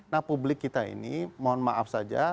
nah publik kita ini mohon maaf saja